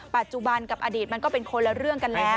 ปัจจุบันกับอดีตมันก็เป็นคนละเรื่องกันแล้ว